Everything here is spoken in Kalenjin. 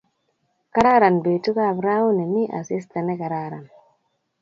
kararan betuukab rauni mii asista nekararan